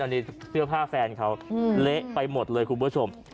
นี่เสื้อผ้าแฟนเขาเละไปหมดเลยคุณผู้ชม